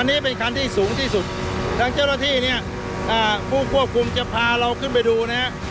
คันนี้เป็นคันที่สูงที่สุดด้านเจ้าหน้าที่ผู้ควบคุมพาเราขึ่นไปดูนะครับ